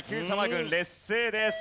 軍劣勢です。